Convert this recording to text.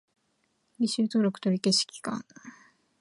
履修登録取り消し期間